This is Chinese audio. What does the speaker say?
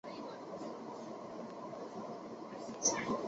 信号肽肽链。